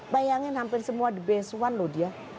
bayangin hampir semua the best one loh dia